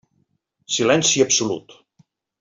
Silenci absolut.